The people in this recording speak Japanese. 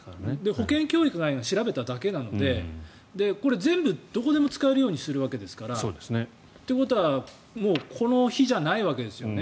保険医協会以外が調べただけなのでこれ、どこでも使えるようにするわけですからということは、もうこの比じゃないわけですよね。